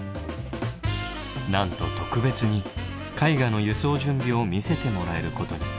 なんと特別に絵画の輸送準備を見せてもらえることに。